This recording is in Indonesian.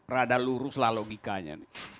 rada lurus lah logikanya